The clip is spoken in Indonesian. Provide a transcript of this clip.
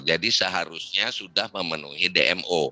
jadi seharusnya sudah memenuhi dmo